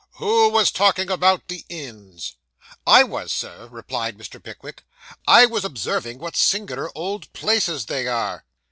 who was talking about the inns?' 'I was, Sir,' replied Mr. Pickwick 'I was observing what singular old places they are.